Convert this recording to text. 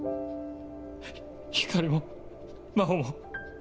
光莉も真帆も。